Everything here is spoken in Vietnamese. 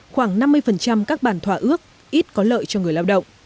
khoảng năm mươi các bản thỏa ước ít có lợi cho người lao động